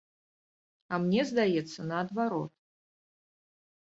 А мне здаецца, наадварот.